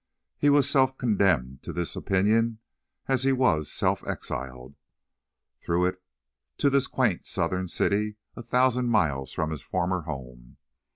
He was self condemned to this opinion, as he was self exiled, through it, to this quaint Southern city a thousand miles from his former home.